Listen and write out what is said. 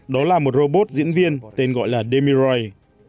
đó là một robot diễn viên tên gọi là demiry